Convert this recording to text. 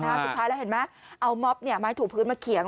สุดท้ายแล้วเห็นไหมเอาม็อบไม้ถูพื้นมาเขียง